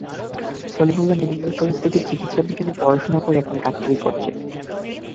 Salimullah medical college থেকে চিকিৎসাবিজ্ঞানে পড়াশোনা করে এখন এখানে ডাক্তারি করছে।